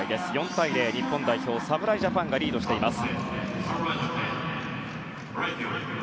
４対０、日本代表侍ジャパンがリードしています。